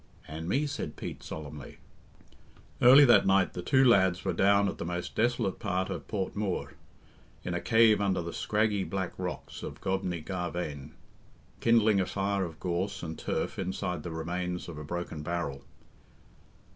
"And me," said Pete solemnly. Early that night the two lads were down at the most desolate part of Port Mooar, in a cave under the scraggy black rocks of Gobny Garvain, kindling a fire of gorse and turf inside the remains of a broken barrel.